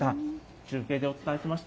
中継でお伝えしました。